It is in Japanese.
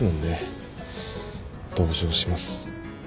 同情します。